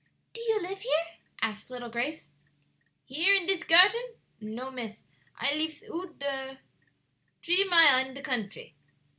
"Do you live here?" asked little Grace. "Here in dis garten? no, miss; I lifs oud boud t'ree mile in de country."